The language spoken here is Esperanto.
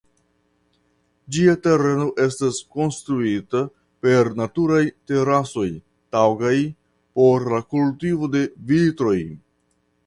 Ĝia tereno estas konstituita per naturaj terasoj taŭgaj por la kultivo de vitoj.